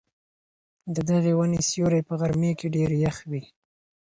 د دغې وني سیوری په غرمې کي ډېر یخ وي.